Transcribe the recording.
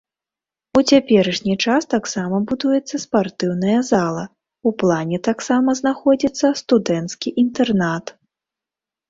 У цяперашні час таксама будуецца спартыўная зала, у плане таксама знаходзіцца студэнцкі інтэрнат.